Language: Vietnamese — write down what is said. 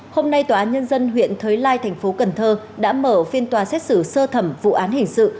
hôm nay tòa án nhân dân huyện thới lai tp cn đã mở phiên tòa xét xử sơ thẩm vụ án hình sự